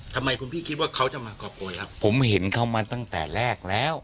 ทำไมคุณพี่คิดว่าเขาจะมาขอบคุณครับผมเห็นเขามาตั้งแต่แรกแล้ว